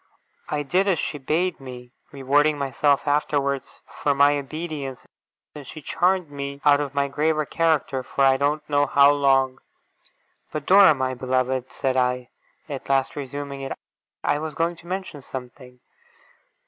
I did as she bade me rewarding myself afterwards for my obedience and she charmed me out of my graver character for I don't know how long. 'But, Dora, my beloved!' said I, at last resuming it; 'I was going to mention something.